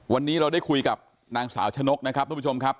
วันนี้เราได้คุยกับนางสาวชะนกนะครับทุกผู้ชมครับ